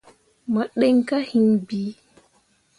Mo ɗǝn kah hiŋ bii.